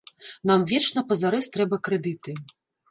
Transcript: Нам вечна пазарэз трэба крэдыты.